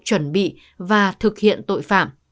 chuẩn bị và thực hiện tội phạm